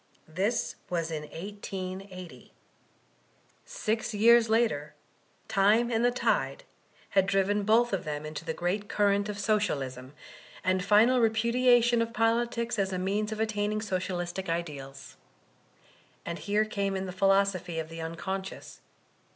This was in 1880. Six years later, time and the tide had driven both of them into tfie great current Dy£R D. LuM 293 of Sodalism, and final irpudiatson of politics as a means of attaining Socialistic ideals. And here came in the phikwof^y of the unconscious.